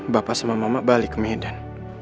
bapak sama mama balik ke medan